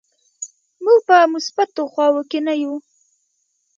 موږ په مثبتو خواو کې نه یو.